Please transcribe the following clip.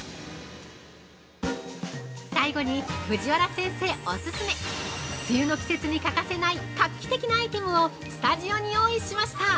◆最後に、藤原先生オススメ梅雨の季節に欠かせない画期的なアイテムをスタジオに用意しました。